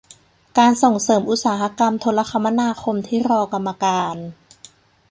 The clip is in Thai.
การส่งเสริมอุตสาหกรรมโทรคมนาคมที่รอกรรมการ